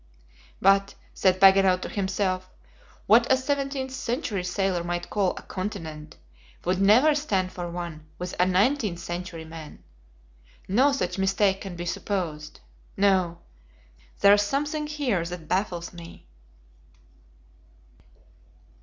"But," said Paganel to himself, "what a seventeenth century sailor might call a 'continent' would never stand for one with a nineteenth century man. No such mistake can be supposed! No! there is something here that baffles me."